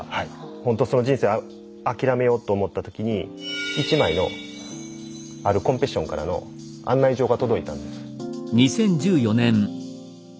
ほんとその人生諦めようと思った時に１枚のあるコンペティションからの案内状が届いたんです。